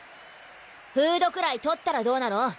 フードくらい取ったらどうなの？